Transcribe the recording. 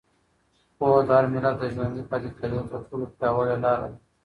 پوهه د هر ملت د ژوندي پاتې کېدو تر ټولو پیاوړې لاره ده.